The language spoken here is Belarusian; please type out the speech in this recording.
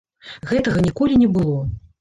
Гэтага ніколі не было.